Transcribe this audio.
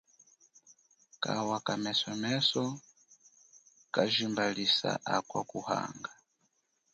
Kawa kamesomeso kajimbalisa akwa kuhanga.